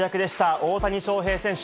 大谷翔平選手。